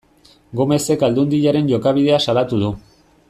Gomezek Aldundiaren jokabidea salatu du.